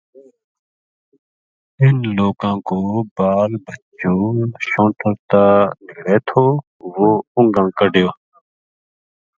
انھ لوکاں کو بال بچو جہڑو شونٹر تا نیڑے تھو وہ اُنگاں کڈھیو